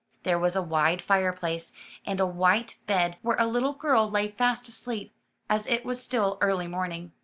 There was a wide fireplace, and a white bed where a little girl lay fast asleep, as it was still early morning.